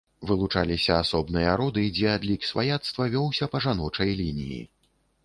Вылучаліся асобныя роды, дзе адлік сваяцтва вёўся па жаночай лініі.